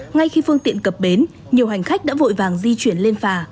ngay khi phương tiện cập bến nhiều hành khách đã vội vàng di chuyển lên phà